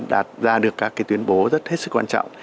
đạt ra được các tuyên bố rất hết sức quan trọng